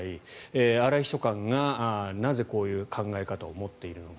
荒井秘書官がなぜこういう考え方を持っているのか。